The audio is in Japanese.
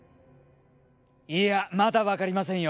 いやまだ分かりませんよ。